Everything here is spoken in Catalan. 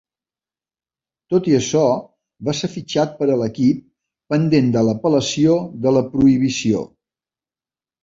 Tot i això, va ser fitxat per a l'equip pendent de l'apel·lació de la prohibició.